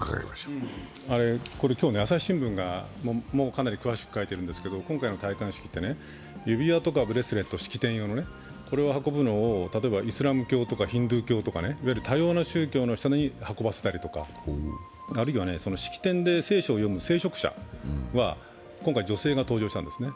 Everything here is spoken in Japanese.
「朝日新聞」がかなり詳しく書いているんですけど、今回の戴冠式って式典用の指輪とかブレスレット、これを運ぶのを例えば、イスラム教とかヒンドゥー教とかいわゆる多様な宗教の人に運ばせたりあるいは式典で聖書を読む聖職者が今回、女性が登場したんですね。